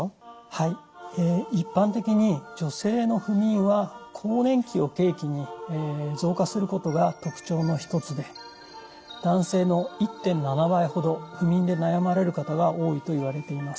はい一般的に女性の不眠は更年期を契機に増加することが特徴の一つで男性の１．７倍ほど不眠で悩まれる方が多いといわれています。